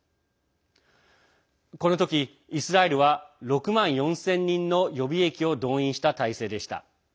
この時、イスラエルは６万４０００人の予備役を動員した体制でした。